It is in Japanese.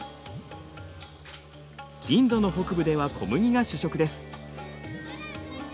インドの北部では小麦が主食です。